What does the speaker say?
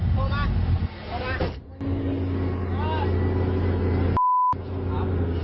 กับเหตุการณ์ที่เกิดขึ้นและหยุดว่าจะไปให้แสดง